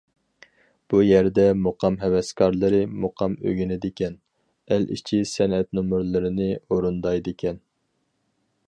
بۇ يەردە مۇقام ھەۋەسكارلىرى مۇقام ئۆگىنىدىكەن، ئەل ئىچى سەنئەت نومۇرلىرىنى ئورۇندايدىكەن.